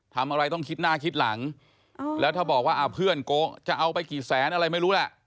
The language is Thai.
ทำอะไรต้องคิดหน้าคิดหลังแล้วถ้าบอกว่าเพื่อนโกงจะเอาไปกี่แสนอะไรไม่รู้แหละ